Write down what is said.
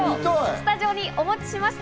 スタジオにお持ちしました。